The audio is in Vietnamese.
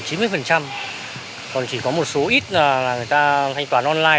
còn chỉ có một số ít là người ta thanh toán online